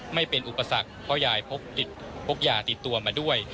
ไม่เป็นอุปสรรคเพราะยายพกยาติดตัวมาด้วย